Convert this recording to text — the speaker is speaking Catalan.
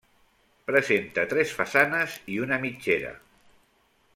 Presenta tres façanes i una mitgera.